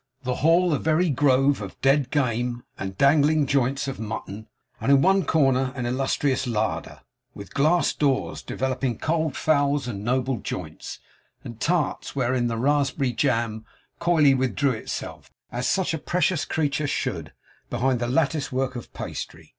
the hall a very grove of dead game, and dangling joints of mutton; and in one corner an illustrious larder, with glass doors, developing cold fowls and noble joints, and tarts wherein the raspberry jam coyly withdrew itself, as such a precious creature should, behind a lattice work of pastry.